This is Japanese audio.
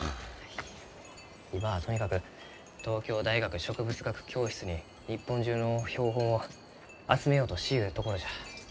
今はとにかく東京大学植物学教室に日本中の標本を集めようとしゆうところじゃ。